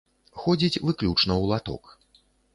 Ходзіць выключна ў латок.